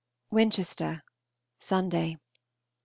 WINCHESTER, Sunday.